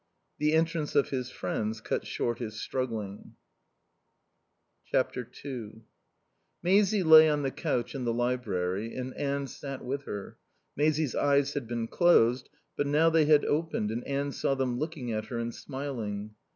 The entrance of his friends cut short his struggling. ii Maisie lay on the couch in the library, and Anne sat with her. Maisie's eyes had been closed, but now they had opened, and Anne saw them looking at her and smiling.